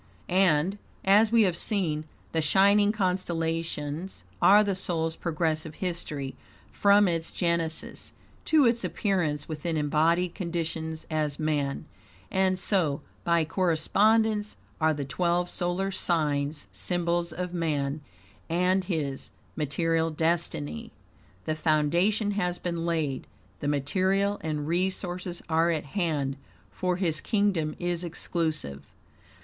And, as we have seen, the shining constellations are the soul's progressive history from its genesis, to its appearance within embodied conditions as man; and so, by correspondence, are the twelve solar signs symbols of man and his material destiny. The foundation has been laid, the material and resources are at hand, for his kingdom is exclusive.